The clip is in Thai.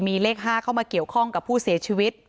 มีเลข๕เข้ามาเกี่ยวข้องกับผู้เสียชีวิต